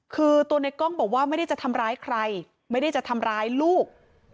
คือตัวในกล้องบอกว่าไม่ได้จะทำร้ายใครไม่ได้จะทำร้ายลูก